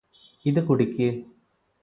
ഇത് കുടിക്ക്